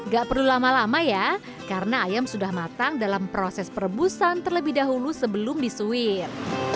gak perlu lama lama ya karena ayam sudah matang dalam proses perebusan terlebih dahulu sebelum disuir